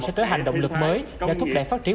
sẽ trở thành động lực mới để thúc đẩy phát triển